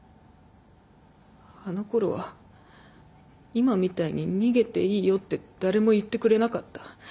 あのころは今みたいに逃げていいよって誰も言ってくれなかった。